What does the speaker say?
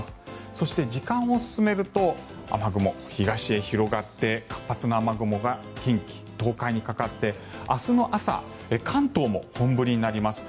そして時間を進めると雨雲、東へ広がって活発な雨雲が近畿、東海にかかって明日の朝関東も本降りになります。